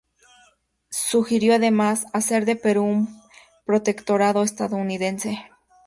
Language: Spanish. Sugirió además hacer de Perú un protectorado estadounidense.